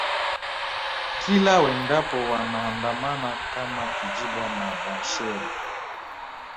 Kila wendapo wanaandamana kama kijibwa na Bwanshero